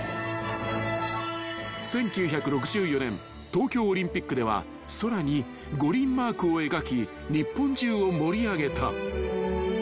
［１９６４年東京オリンピックでは空に五輪マークを描き日本中を盛り上げた］